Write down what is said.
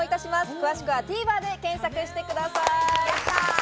詳しくはＴＶｅｒで検索してください。